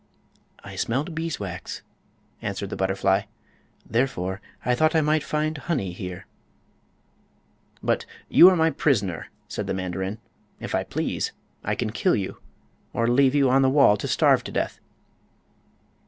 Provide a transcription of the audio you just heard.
"I smelled bees wax," answered the butterfly; "therefore I thought I might find honey here." "But you are my prisoner," said the mandarin. "If I please I can kill you, or leave you on the wall to starve to death."